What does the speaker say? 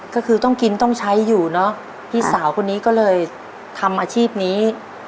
ก็คือต้องกินต้องใช้อยู่เนอะพี่สาวคนนี้ก็เลยทำอาชีพนี้